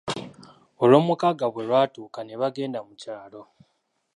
Olwomukaaga bwe lwatuuka ne bagenda mu kyalo.